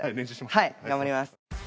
はい頑張ります。